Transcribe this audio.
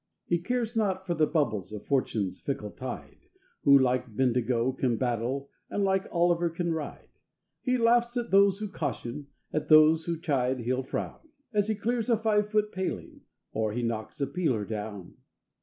He cares not for the bubbles of Fortune's fickle tide, Who like Bendigo can battle, and like Olliver can ride. He laughs at those who caution, at those who chide he'll frown, As he clears a five foot paling, or he knocks a peeler down.